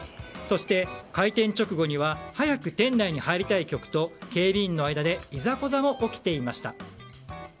そして、開店直後には早く店内に入りたい客と警備員の間でいざこざも起きていました。